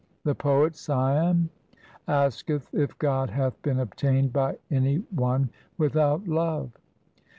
The poet Siam asketh if God hath been obtained by any one without love.